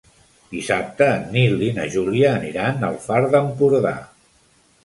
Dissabte en Nil i na Júlia aniran al Far d'Empordà.